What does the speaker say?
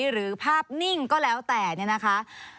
หรือภาพนิ่งก็แล้วแต่เนี่ยนะคะ